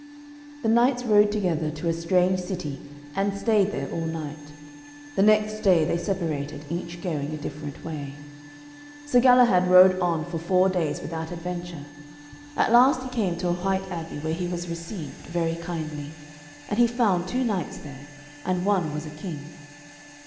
The knights rode together to a strange city and stayed there all night. The next day they separated, each going a different way. Sir Galahad rode on for four days without adventure. At last he came to a white abbey, where he was received very kindly. And he found two knights there, and one was a King.